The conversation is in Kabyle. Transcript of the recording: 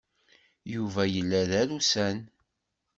Yuba yella d arusan.